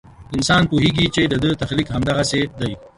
انسان پوهېږي چې د ده تخلیق همدغسې دی.